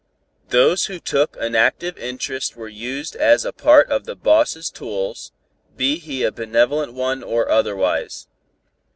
Those who took an active interest were used as a part of the boss' tools, be he a benevolent one or otherwise.